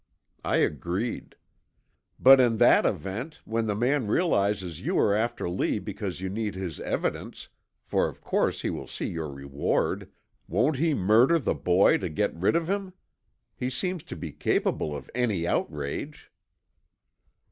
I agreed. "But, in that event, when the man realizes you are after Lee because you need his evidence, for of course he will see your reward, won't he murder the boy to get rid of him? He seems to be capable of any outrage."